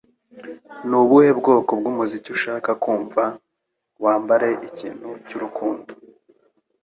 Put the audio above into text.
Ni ubuhe bwoko bw'umuziki ushaka kumva?" "Wambare ikintu cy'urukundo"